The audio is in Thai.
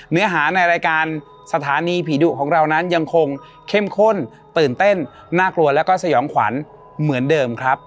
เนื้อหาในรายการสถานีผีดุของเรานั้นยังคงเข้มข้นตื่นเต้นน่ากลัวแล้วก็สยองขวัญเหมือนเดิมครับ